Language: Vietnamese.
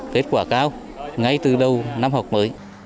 kết quả cao ngay từ đầu năm học mới